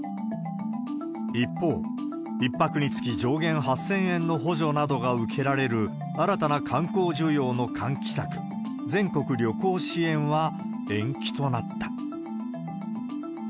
一方、１泊につき上限８０００円の補助などが受けられる、新たな観光需要の喚起策、全国旅行支援は延期となった。